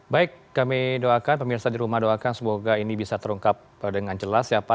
baik kami doakan pemirsa di rumah doakan semoga ini bisa terungkap dengan jelas ya pak